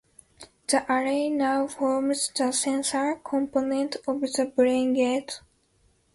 The array now forms the sensor component of the Braingate.